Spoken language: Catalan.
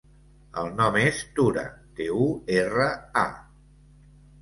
El nom és Tura: te, u, erra, a.